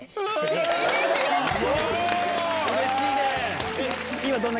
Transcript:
うれしいね！